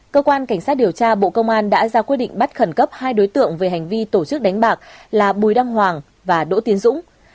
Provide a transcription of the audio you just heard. cơ quan cảnh sát điều tra bộ công an đã ra quyết định bắt khẩn cấp hai đối tượng về hành vi tổ chức đánh bạc là bùi đăng hoàng và đỗ tiến dũng